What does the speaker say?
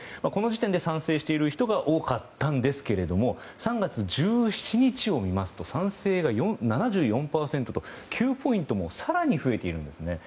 この時点で賛成している人が多かったんですが３月１７日を見ますと賛成が７４％と９ポイントも更に増えているんです。